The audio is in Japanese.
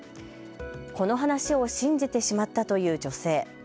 この話を信じてしまったという女性。